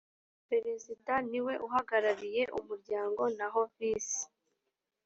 perezida niwe uhagarariye umuryango naho visi